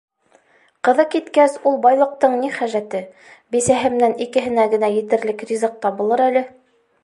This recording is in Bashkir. Ҡыҙы киткәс ул байлыҡтың ни хәжәте, бисәһе менән икеһенә генә етерлек ризыҡ табылыр әле.